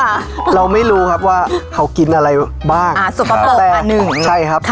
ค่ะเราไม่รู้ครับว่าเขากินอะไรบ้างอ่าสุขเติบมาหนึ่งใช่ครับค่ะ